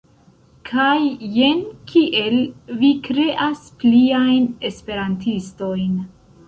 Kaj jen kiel vi kreas pliajn esperantistojn.